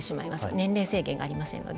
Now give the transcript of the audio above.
年齢制限がありませんので。